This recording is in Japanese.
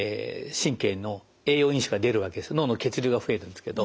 脳の血流が増えるんですけど。